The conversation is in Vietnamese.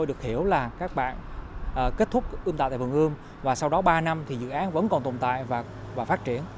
chúng tôi được hiểu là các bạn kết thúc ưm tạo tại vườn ươm và sau đó ba năm thì dự án vẫn còn tồn tại và phát triển